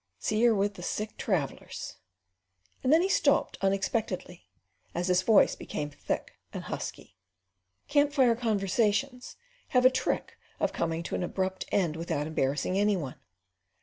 See her with the sick travellers!" And then he stopped unexpectedly as his voice became thick and husky. Camp fire conversations have a trick of coming to an abrupt end without embarrassing any one.